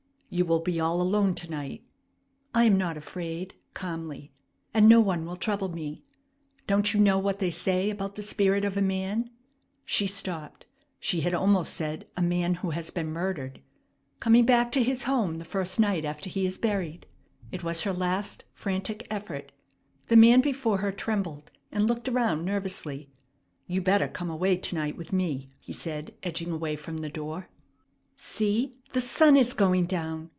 "You will be all alone to night." "I am not afraid," calmly. "And no one will trouble me. Don't you know what they say about the spirit of a man " she stopped; she had almost said "a man who has been murdered" "coming back to his home the first night after he is buried?" It was her last frantic effort. The man before her trembled, and looked around nervously. "You better come away to night with me," he said, edging away from the door. "See, the sun is going down!